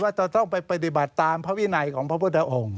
จะต้องไปปฏิบัติตามพระวินัยของพระพุทธองค์